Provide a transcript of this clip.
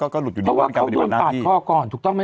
ยังไงยังไงยังไงยังไง